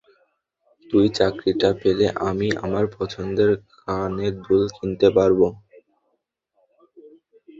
তুই চাকরিটা পেলে, আমি আমার পছন্দের কানের দুল কিনতে পারবো।